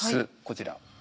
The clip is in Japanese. こちら。